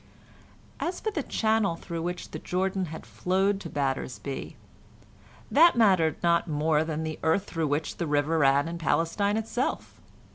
As for the channel through which the Jordan had flowed to Battersby, that mattered not more than the earth through which the river ran in Palestine itself.